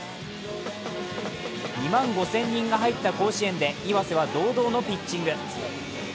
２万５０００人が入った甲子園で岩瀬は堂々のピッチング。